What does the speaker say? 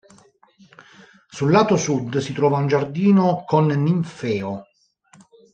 Sul lato sud si trova un giardino con ninfeo.